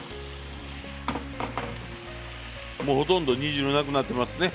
もうほとんど煮汁なくなってますね。